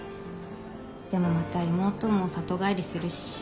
でもまた妹も里帰りするし。